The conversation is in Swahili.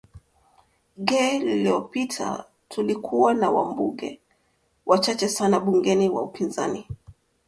ge liliopita tulikuwa na wambunge wachache sana bugeni wa upinzani